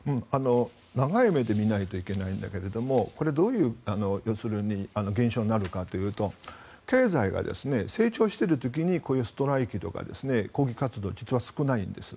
長い目で見ないといけないんだけどこれはどういう現象になるかというと経済が成長している時にこういうストライキとか抗議活動、実は少ないんです。